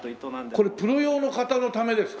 これプロ用の方のためですか？